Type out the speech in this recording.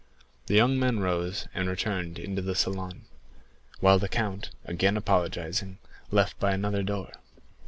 The young men rose and returned into the salon, while the count, again apologizing, left by another door.